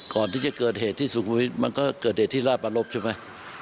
ก่อนที่จะเกิดเหตุที่สุขุมวิทย์มันก็เกิดเหตุที่ราชประรบใช่ไหม